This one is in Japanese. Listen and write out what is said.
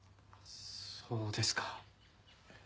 そうですか。